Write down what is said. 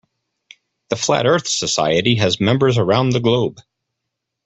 The Flat Earth Society has members around the globe.